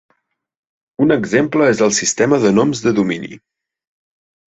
Un exemple és el sistema de noms de domini.